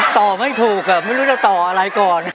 ต่อไม่ถูกไม่รู้จะต่ออะไรก่อน